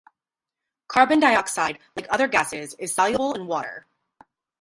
Carbon dioxide, like other gases, is soluble in water.